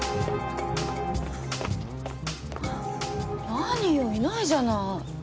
何よいないじゃない。